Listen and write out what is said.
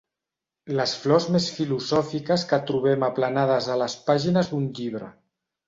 Les flors més filosòfiques que trobem aplanades a les pàgines d'un llibre.